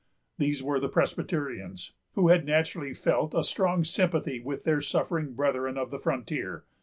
These were the Presbyterians, who had naturally felt a strong sympathy with their suffering brethren of the frontier.